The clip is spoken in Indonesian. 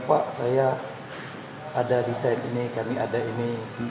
pak saya ada desain ini kami ada ini